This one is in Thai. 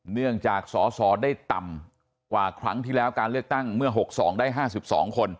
เนื่องจากสอสอได้ต่ำกว่าครั้งที่แล้วการเลือกตั้งเมื่อ๖๒ได้๕๒คน